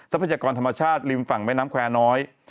พยากรธรรมชาติริมฝั่งแม่น้ำแควร์น้อย